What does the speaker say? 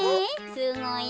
すごいね。